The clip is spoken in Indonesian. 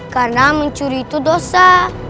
karena mencuri itu dosa